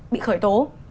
bị khởi tố